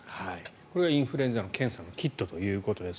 これがインフルエンザの検査のキットということです。